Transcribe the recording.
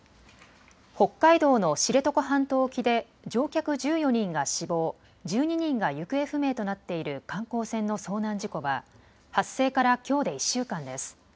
北海道の知床半島沖で乗客１４人が死亡、１２人が行方不明となっている観光船の遭難事故は発生からきょうで１週間です。